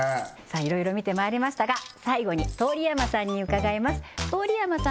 いろいろ見てまいりましたが最後に通山さんに伺います通山さん